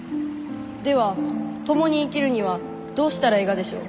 では共に生きるにはどうしたらえいがでしょう？